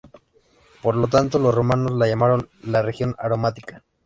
Por lo tanto los romanos la llamaron la "Región Aromática".